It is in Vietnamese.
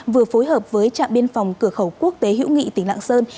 vừa phối hợp với trạm biên phòng cửa khẩu quốc tế hữu nghị tỉnh lạng sơn